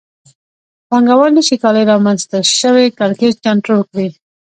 پانګوال نشي کولای رامنځته شوی کړکېچ کنټرول کړي